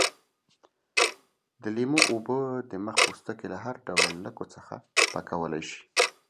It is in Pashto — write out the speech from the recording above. د لیمو اوبه د مخ پوستکی له هر ډول لکو څخه پاکولای شي.